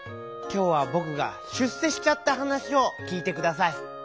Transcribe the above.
きょうはぼくが出世しちゃった話を聞いてください。